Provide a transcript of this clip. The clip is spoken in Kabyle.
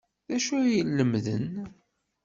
D acu ay la lemmden?